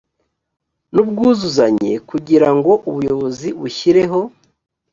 n ubwuzuzanye kugirango ubuyobozi bushyireho